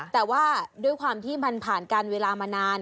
แต่ว่าด้วยความที่มันผ่านการเวลามานาน